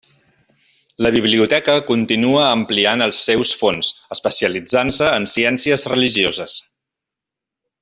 La biblioteca continua ampliant els seus fons, especialitzant-se en ciències religioses.